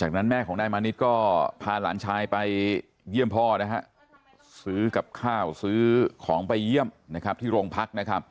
จากนั้นแม่ของนายมานิดก็พาหลานชายไปเยี่ยมพ่อนะฮะซื้อกับข้าวซื้อของไปเยี่ยมนะครับที่โรงพักนะครับ